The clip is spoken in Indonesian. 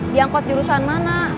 diangkut diurusan mana